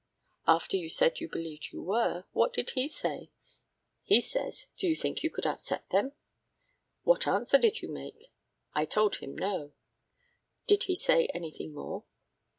After you said you believed you were, what did he say? He says, 'Do you think you could upset them?' What answer did you make? I told him 'No.' Did he say anything more?